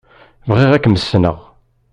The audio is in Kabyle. Bɣiɣ ad kem-ssneɣ.